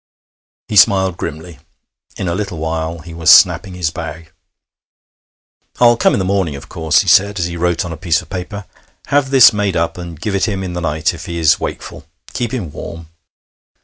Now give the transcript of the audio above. He smiled grimly. In a little while he was snapping his bag. 'I'll come in the morning, of course,' he said, as he wrote on a piece of paper. 'Have this made up, and give it him in the night if he is wakeful. Keep him warm.